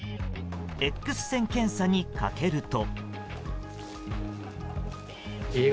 Ｘ線検査にかけると。